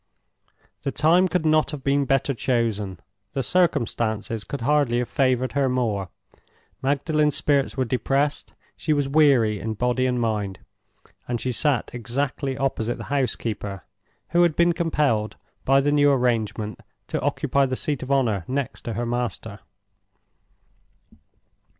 The time could not have been better chosen; the circumstances could hardly have favored her more. Magdalen's spirits were depressed: she was weary in body and mind; and she sat exactly opposite the housekeeper, who had been compelled, by the new arrangement, to occupy the seat of honor next her master.